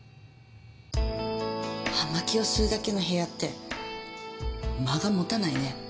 葉巻を吸うだけの部屋って間が持たないね。